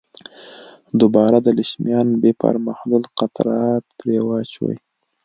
دوه برابره د لیشمان بفر محلول قطرات پرې واچوئ.